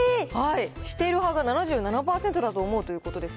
してる派が７７％だと思うということですが。